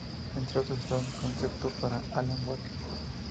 Entre estos estaba el concepto para "Alan Wake".